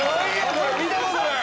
これ見たことない。